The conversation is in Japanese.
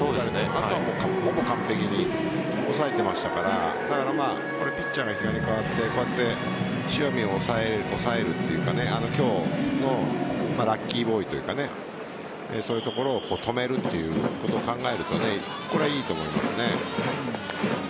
あとはほぼ完璧に抑えていましたからピッチャーが比嘉に代わってこうやって塩見を抑えるというか今日のラッキーボーイというかそういうところを止めるということを考えるとこれはいいと思いますね。